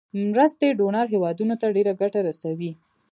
مرستې ډونر هیوادونو ته ډیره ګټه رسوي.